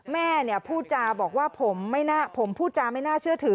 แม่พูดจาบอกว่าผมพูดจาไม่น่าเชื่อถือ